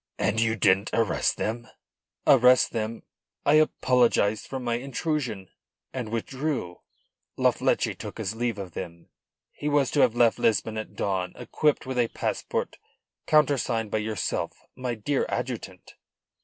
"And you didn't arrest them?" "Arrest them! I apologised for my intrusion, and withdrew. La Fleche took his leave of them. He was to have left Lisbon at dawn equipped with a passport countersigned by yourself, my dear adjutant."